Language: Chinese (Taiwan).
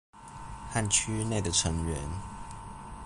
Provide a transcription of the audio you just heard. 和區域內的成員